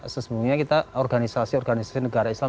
sesungguhnya kita organisasi organisasi negara islam